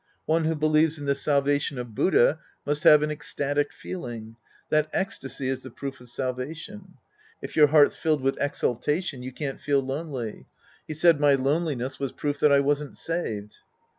One who believes in the salvation of Buddha must havd an ecstatic feeling. That ecstasy is the proof of salvation. If your heart's filled with exultation, you can't feel lonely. He said my loneli ness was proof that I wasn't saved.